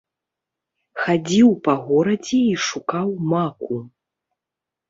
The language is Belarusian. Хадзіў па гародзе і шукаў маку.